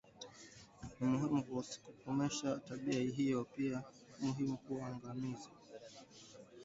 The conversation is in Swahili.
Ni muhimu kukomesha tabia hiyo pia ni muhimu kuwaangazia